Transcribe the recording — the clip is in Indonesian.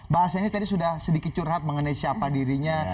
bahasanya tadi sudah sedikit curhat mengenai siapa dirinya